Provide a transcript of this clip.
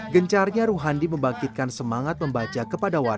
gencarnya ruhandi membangkitkan semangat membaca kepada warga